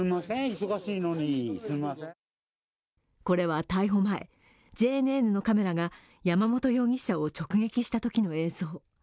これは逮捕前、ＪＮＮのカメラが山本容疑者を直撃したときの映像。